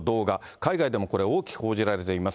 海外でもこれ、大きく報じられています。